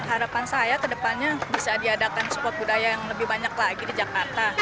harapan saya ke depannya bisa diadakan spot budaya yang lebih banyak lagi di jakarta